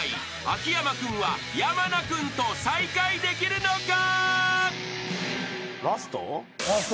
［秋山君は山名君と再会できるのか？］